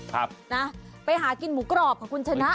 ครับนะไปหากินหมูกรอบค่ะคุณชนะ